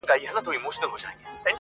وطن له سره جوړوي بیرته جشنونه راځي!